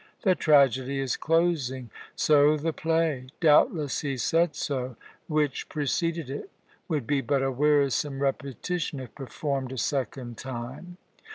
The tragedy is closing, so the play (doubtless he said so) which preceded it would be but a wearisome repetition if performed a second time.